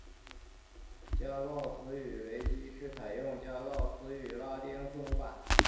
加告兹语维基是采用加告兹语拉丁字母版。